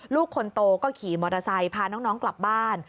ลูกคนโตก็ขี่มอเตอร์ไซค์พาน้องกลับบ้าน